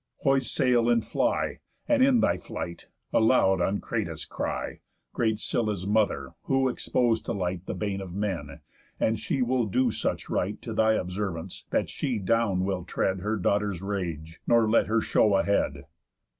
Hoise sail, and fly, And, in thy flight, aloud on Cratis cry (Great Scylla's mother, who expos'd to light The bane of men) and she will do such right To thy observance, that she down will tread Her daughter's rage, nor let her show a head.